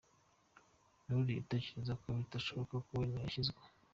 N’uriya utekereza ko bitashoboka na we yakizwa.